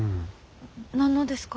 何のですか？